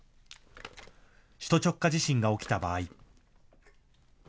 首都直下地震が起きた場合。